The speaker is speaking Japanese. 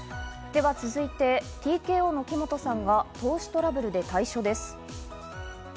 では続いて、ＴＫＯの木本さんが投資トラブルで退所です。